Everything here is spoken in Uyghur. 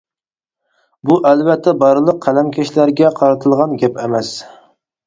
بۇ ئەلۋەتتە بارلىق قەلەمكەشلەرگە قارىتىلغان گەپ ئەمەس.